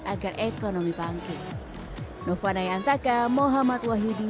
agar ekonomi bangkit